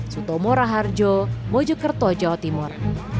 sutomora harjo mojokerto jawa timur